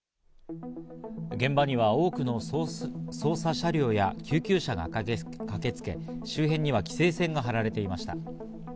現場には多くの捜査車両や救急車が駆けつけ、周辺には規制線が張られていました。